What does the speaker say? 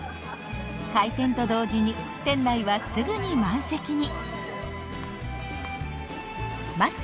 開店と同時に店内はすぐに満席に。